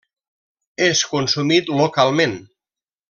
És consumit localment.